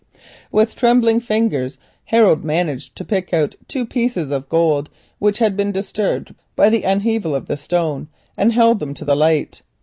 With trembling fingers Harold managed to pick out two pieces of gold which had been disturbed by the upheaval of the stone, and held them to the light.